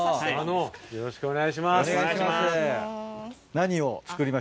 よろしくお願いします。